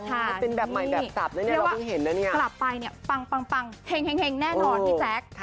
แล้วหนึ่งเนี่ยผลัพไปเนี่ยปังเนี่ยเฮ็งแน่นอนพี่แจ๊ค